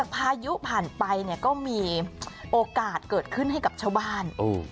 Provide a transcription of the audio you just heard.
พายุผ่านไปก็มีโอกาสเกิดขึ้นให้กับชาวบ้าน